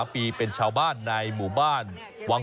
มีหลายสีมากเลย